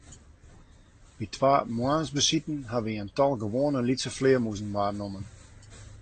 By twa moarnsbesiten hawwe wy in tal gewoane lytse flearmûzen waarnommen.